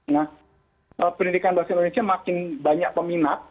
nah pendidikan bahasa indonesia makin banyak peminat